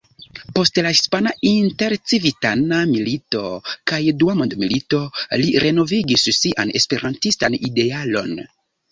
Post la hispana intercivitana milito kaj dua mondmilito li renovigis sian esperantistan idealon.